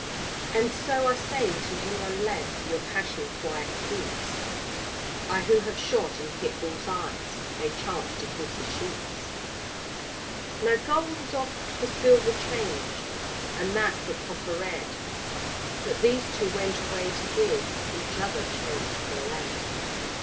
And so I say to you unless Your passion quiet keeps, I who have shot and hit bulls' eyes, May chance to hit a sheep's. Now gold is oft for silver changed, And that for copper red; But these two went away to give Each other change for lead.